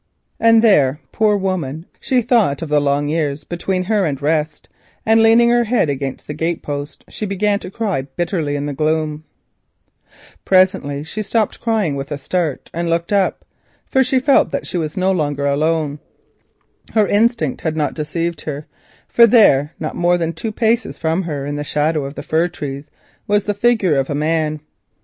And then, poor woman, she thought of the long years between her and rest, and leaning her head against the gate post, began to cry bitterly in the gloom. Presently she ceased crying and with a start looked up, feeling that she was no longer alone. Her instincts had not deceived her, for in the shadow of the fir trees, not more than two paces from her, was the figure of a man.